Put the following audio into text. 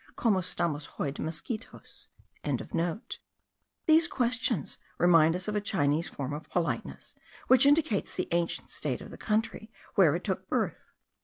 Como stamos hoy de mosquitos?) These questions remind us of a Chinese form of politeness, which indicates the ancient state of the country where it took birth.